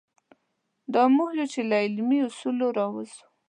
دا موږ یو چې له علمي اصولو وراخوا.